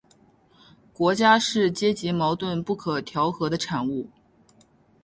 国家是阶级矛盾不可调和的产物